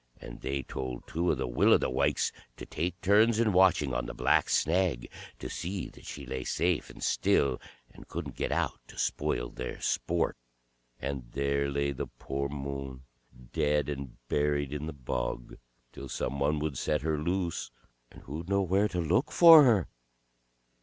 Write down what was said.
And they told two of the Will o the wykes to take turns in watching on the black snag, to see that she lay safe and still, and couldn't get out to spoil their sport. And there lay the poor Moon, dead and buried in the bog, till some one would set her loose; and who'd know where to look for her.